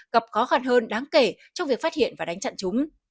gặp khó khăn hơn đáng kể trong việc phát hiện và đánh chặn chúng